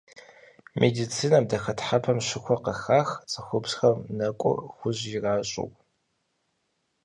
Медицинэм дахэтхьэпэм щыхуэ къыхах цӏыхубзхэм нэкӏур хужь иращӏыу.